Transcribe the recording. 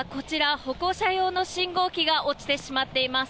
歩行者用の信号機が落ちてしまっています。